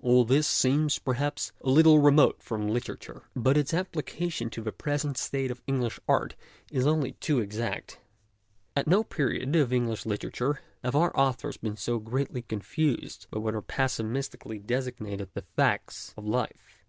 All this seems, perhaps, a little remote from literature, but its application to the present state of English art is only too exact. At no period of English literature have our authors been so greatly confused by what are pessimistically designated the " facts " of life.